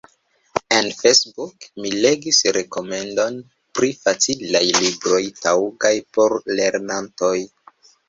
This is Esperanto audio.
En Facebook mi legis rekomendon pri facilaj libroj taŭgaj por lernantoj.